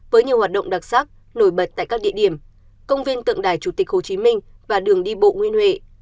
với nhiều hoạt động đặc sắc nổi bật tại các địa điểm công viên tượng đài chủ tịch hồ chí minh và đường đi bộ nguyên huệ